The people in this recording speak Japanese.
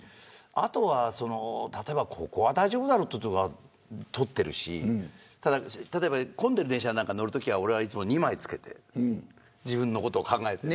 後は、ここは大丈夫だろって所は取ってるし例えば、混んでいる電車に乗るときは俺は、いつも２枚着けてる自分のことを考えて。